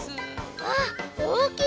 うわっおおきい